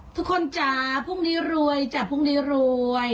จ้าพรุ่งนี้รวยจ้ะพรุ่งนี้รวย